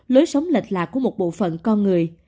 lối sống lệch lạc của một bộ phận con người